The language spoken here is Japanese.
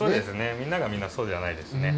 みんながみんなそうじゃないですね。